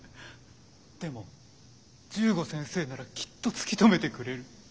でも十五先生ならきっと突き止めてくれる。